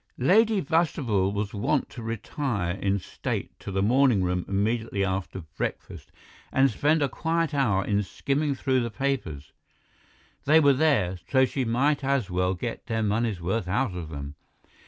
Lady Bastable was wont to retire in state to the morning room immediately after breakfast and spend a quiet hour in skimming through the papers; they were there, so she might as well get their money's worth out of them.